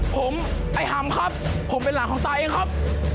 ผมไอ้หำครับผมเป็นหลานของตาเองครับ